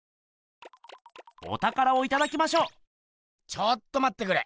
ちょっとまってくれ。